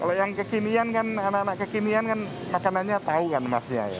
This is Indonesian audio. kalau yang kekinian kan anak anak kekinian kan makanannya tahu kan emasnya ya